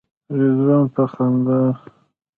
رضوان په خندا.